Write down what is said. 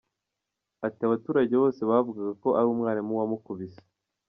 Ati “Abaturage bose bavugaga ko ari umwarimu wamukubise.